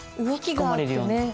動きがあってね。